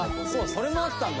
それもあったんだ。